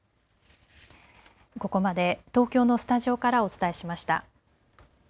ここまで東京のスタジオからお伝えしました。